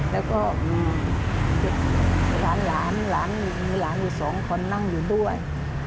แล้วก็มีหลานหลานมีหลานอยู่สองคนนั่งอยู่ด้วย